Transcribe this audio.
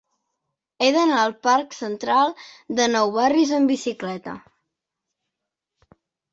He d'anar al parc Central de Nou Barris amb bicicleta.